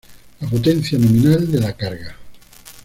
La potencia nominal de la carga.